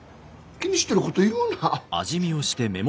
気にしてること言うな。